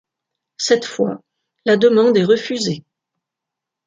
Cette fois, la demande est refusée.